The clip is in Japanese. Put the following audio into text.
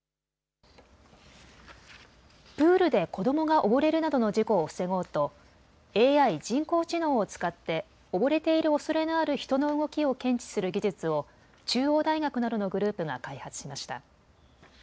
プールで子どもが溺れるなどの事故を防ごうとＡＩ・人工知能を使って溺れているおそれのある人の動きを検知する技術を中央大学などのグループが開発しました。